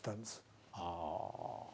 ああ